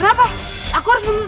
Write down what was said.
kalian berangkat behaving